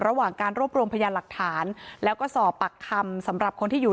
ตอนนั้นก็มีลูกชายไว้๒๐วันที่แม่ยายอุ้มอยู่